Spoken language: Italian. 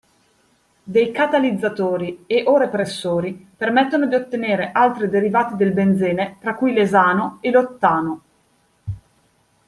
Dei catalizzatori e /o repressori permettono di ottenere altri derivati del benzene tra cui l'esano e l'ottano.